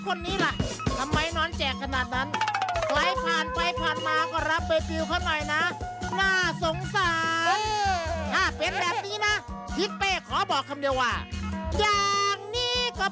โปรดติดตามตอนต่อไป